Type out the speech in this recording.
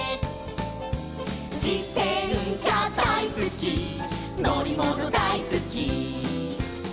「じてんしゃだいすきのりものだいすき」